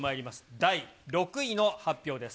第６位の発表です。